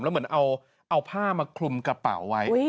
แล้วเหมือนเอาผ้ามาคลุมกระเป๋าไว้